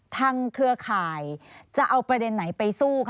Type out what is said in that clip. เครือข่ายจะเอาประเด็นไหนไปสู้ค่ะ